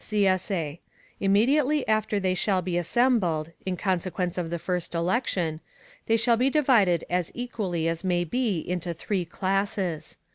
[CSA] Immediately after they shall be assembled, in consequence of the first election, they shall be divided as equally as may be into three classes.